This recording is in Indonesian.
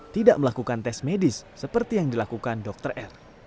tidak melakukan tes medis seperti yang dilakukan dr r